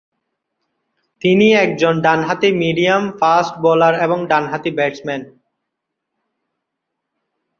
তিনি একজন ডানহাতি মিডিয়াম ফাস্ট বোলার এবং ডানহাতি ব্যাটসম্যান।